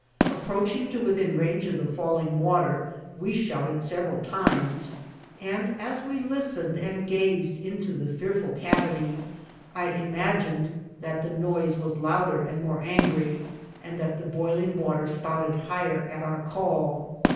Ap proaching to within range of the falling water, we shout ed several times, and as we listened and gazed into the fearful cavity, I imagined that the noise was louder and more angry, and that the boiling water spouted higher at our call.